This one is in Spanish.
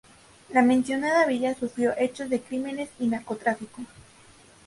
La mencionada Villa sufrió hechos de crímenes y narcotráfico.